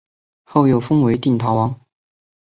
后又封为定陶王。